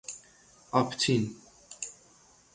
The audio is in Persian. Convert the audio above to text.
آپتین